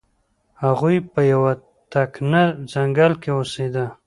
هغوی په یو تکنه ځنګل کې اوسیده.